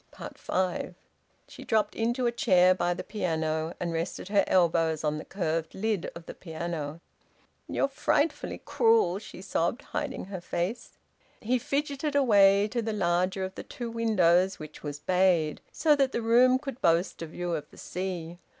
FIVE. She dropped into a chair by the piano, and rested her elbows on the curved lid of the piano. "You're frightfully cruel!" she sobbed, hiding her face. He fidgeted away to the larger of the two windows, which was bayed, so that the room could boast a view of the sea.